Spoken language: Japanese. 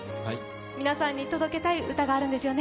皆さんに届けたい歌があるんですよね？